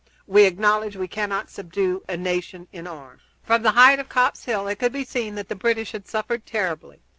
We acknowledge we cannot subdue a nation in arms." From the height of Copp's Hill it could be seen that the British had suffered terribly.